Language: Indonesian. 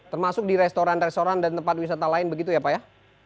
termasuk di restoran restoran dan tempat wisata lain begitu ya pak ya